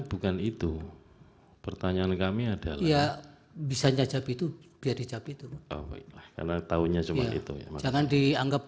bukan itu pertanyaan kami adalah bisa nyajap itu biar dicap itu karena tahunya cuma itu ya jangan dianggap